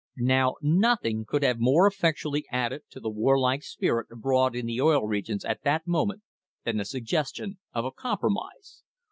Now nothing could have more effectually added to the war like spirit abroad in the Oil Regions at that moment than the suggestion of a compromise.